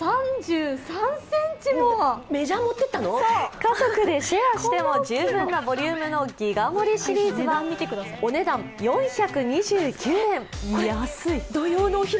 家族でシェアしても十分なボリュームのギガ盛りシリーズはお値段４２９円、安い！